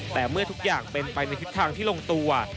แต่เมื่อทุกอย่างเป็นไปในทิศทางที่ลงตัว